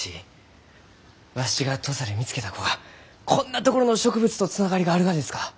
わしが土佐で見つけた子がこんなところの植物とつながりがあるがですか？